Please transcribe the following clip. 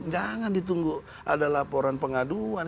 jangan ditunggu ada laporan pengaduan